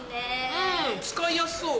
うん使いやすそう。